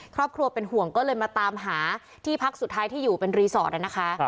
ครอบครัวเป็นห่วงก็เลยมาตามหาที่พักสุดท้ายที่อยู่เป็นรีสอร์ทนะคะ